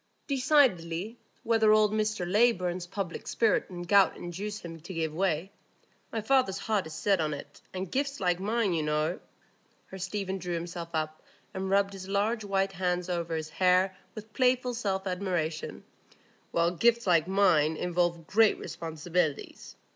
"Decidedly, whenever old Mr Leyburn's public spirit and gout induce him to give way. My father's heart is set on it; and gifts like mine, you know"—here Stephen drew himself up, and rubbed his large white hands over his hair with playful self admiration—"gifts like mine involve great responsibilities.